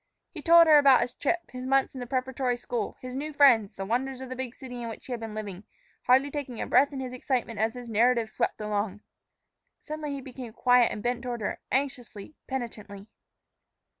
He told her about his trip, his months at the preparatory school, his new friends, the wonders of the big city in which he had been living, hardly taking a breath in his excitement as his narrative swept along. Suddenly he became quiet and bent toward her anxiously, penitently.